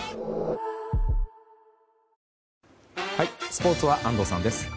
スポーツは安藤さんです。